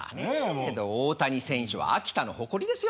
大谷選手は秋田の誇りですよ。